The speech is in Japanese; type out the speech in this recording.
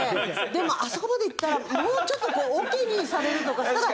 でもあそこまでいったらもうちょっとこう桶にされるとかしたら。